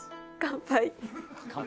乾杯。